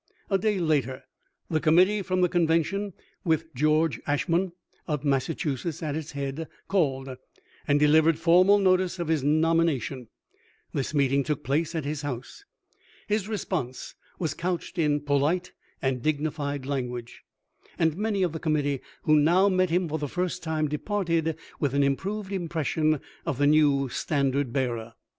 A day later the committee from the conven tion, with George Ashmun, of Massachusetts, at its head, called, and delivered formal notice of his nom ination. This meeting took place at his house. His response was couched in polite and dignified language, and many of the committee, who now met him for the first time, departed with an im proved impression of the new standard bearer.